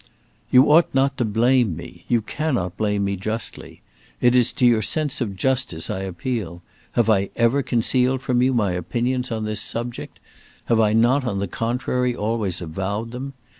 "You ought not to blame me you cannot blame me justly. It is to your sense of justice I appeal. Have I ever concealed from you my opinions on this subject? Have I not on the contrary always avowed them?